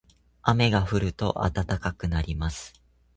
雨が降ると暖かくなります。